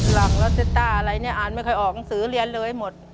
หลังลอสซิต้าอะไรเนี่ยอ่านไม่ค่อยออกหนังสือเรียนเลยหมด